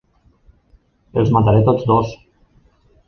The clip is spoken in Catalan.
Els mataré tots dos!